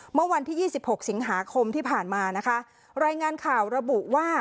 เมื่อวันที่ยี่สิบหกสิงหาคมที่ผ่านมานะคะรายงานข่าวระบุว่า